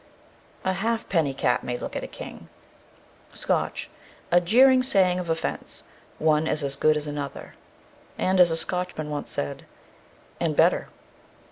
A half penny cat may look at a king (Scotch). A jeering saying of offence "One is as good as another," and as a Scotchman once said, "and better."